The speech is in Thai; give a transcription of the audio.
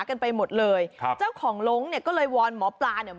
กูใช้ดีกว่าดีกว่า